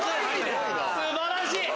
素晴らしい！